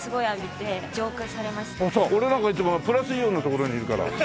俺なんかいつもプラスイオンの所にいるから。